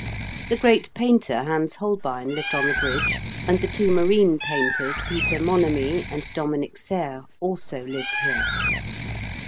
The great painter Hans Holbein lived on the Bridge and the two marine painters Peter Monamy and Dominic Serres also lived here.